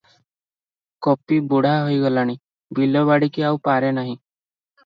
ଗୋପୀ ବୁଢ଼ା ହୋଇଗଲାଣି, ବିଲବାଡ଼ିକି ଆଉ ପାରେ ନାହିଁ ।